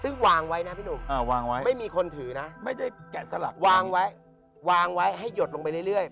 ซึ่งวางไว้นะพี่หนูไม่มีคนถือนะวางไว้ให้หยดลงไปเรื่อย